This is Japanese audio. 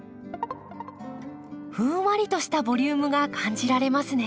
ふんわりとしたボリュームが感じられますね。